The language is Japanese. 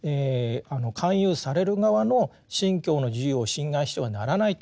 勧誘される側の信教の自由を侵害してはならないということをですね